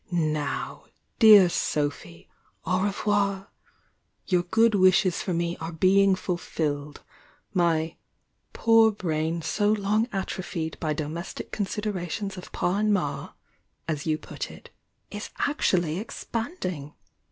Now, dear Sophy, au revoir! Your good wishes for me are being fulfilled; my 'poor brain so long atro phied by domestic considerations of Pa and Ma,' as you put it, is actually expanding!